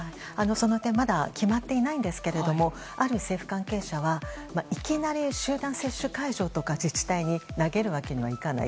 その点、まだ決まっていないんですけれどもある政府関係者はいきなり集団接種会場とか自治体に投げるわけにはいかない。